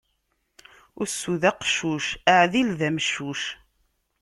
Usu d aqeccuc, aɛdil d ameccuc.